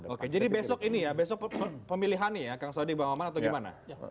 oke jadi besok ini ya besok pemilihan nih ya kang sadiq bambang atau gimana